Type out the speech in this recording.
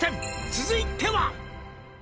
「続いては」